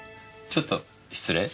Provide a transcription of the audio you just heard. ちょっと失礼。